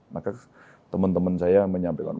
maka teman teman saya menyampaikan